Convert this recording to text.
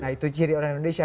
nah itu ciri orang indonesia